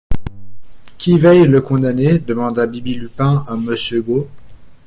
Qui veille le condamné? demanda Bibi-Lupin à monsieur Gault.